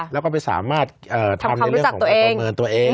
แล้วก็ไม่สามารถทำในเรื่องของการประเมินตัวเอง